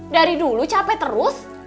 dari dulu capek terus